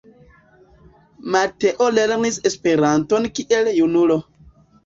Mateo lernis Esperanton kiel junulo.